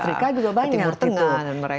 ke timur tengah dan mereka